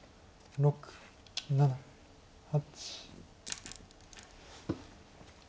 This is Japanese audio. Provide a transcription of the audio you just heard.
６７８。